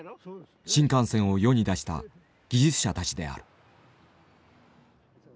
新幹線を世に出した技術者たちである。